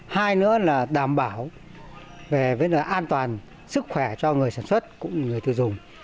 hai nữa là đảm bảo về an toàn sức khỏe cho người sản xuất cũng như người tự dùng